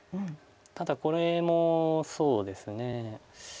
ただこれもそうですね。